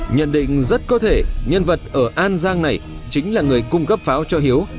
nhận định rất có thể nhân vật ở an giang này chính là người cung cấp pháo cho hiếu